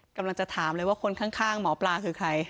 กำลังจะถามเลยว่าคนข้างหมอปลาคือใคร